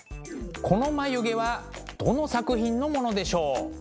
この眉毛はどの作品のものでしょう？